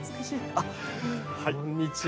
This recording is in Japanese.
あっこんにちは。